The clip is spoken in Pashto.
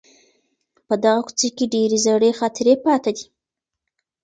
په دغه کوڅې کي ډېرې زړې خاطرې پاته دي.